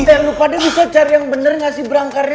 kita yang lupa dia bisa cari yang bener gak sih berangkarnya